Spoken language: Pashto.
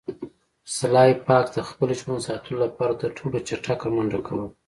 سلای فاکس د خپل ژوند ساتلو لپاره تر ټولو چټکه منډه کوله